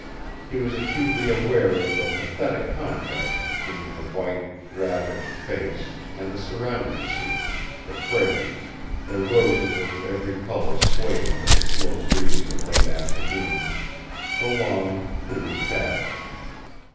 He was acutely aware of the pathetic contrast between her white, ravaged face and the surrounding scene, the fragrance, the roses of every colour swaying to the slow breeze of late afternoon, the long, cool shadows.